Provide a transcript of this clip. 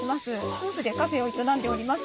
夫婦でカフェを営んでおります。